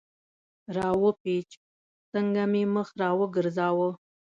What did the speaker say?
را و پېچ، څنګه مې مخ را وګرځاوه.